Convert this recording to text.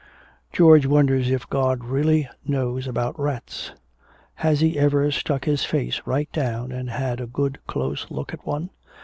George wonders if God really knows about rats. 'Has he ever stuck his face right down and had a good close look at one?